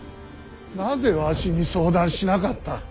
なぜわしに相談しなかった。